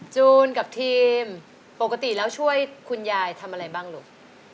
จูนกับทีมปกติแล้วช่วยคุณยายทำอะไรบ้างลูก